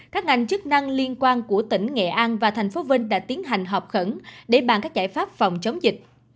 các ngành chức năng liên quan của tỉnh nghệ an và thành phố vinh đã tiến hành họp khẩn để bàn các giải pháp phòng chống dịch